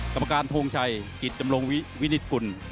กรรมการโทงชัยกิตจำลงวินิทคุณ